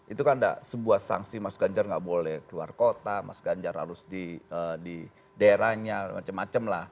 itu kan ada sebuah sanksi mas ganjar nggak boleh keluar kota mas ganjar harus di daerahnya macam macam lah